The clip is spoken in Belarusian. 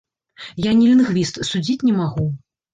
Я не лінгвіст, судзіць не магу.